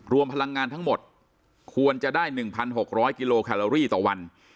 พลังงานทั้งหมดควรจะได้๑๖๐๐กิโลแคลอรี่ต่อวัน